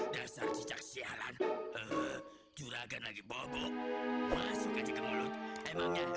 dasar cicak sialan juragan lagi bobok masukkan ke mulut emangnya ini